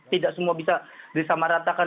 tidak semua bisa disamaratakan